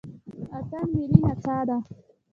اتن ملي نڅا ده